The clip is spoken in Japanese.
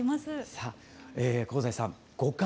さあ香西さん「五感」